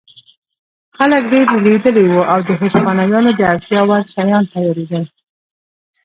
خلک ډېر وېرېدلي وو او د هسپانویانو د اړتیا وړ شیان تیارېدل.